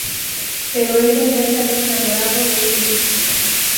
Pero ella ya se había enamorado de un príncipe.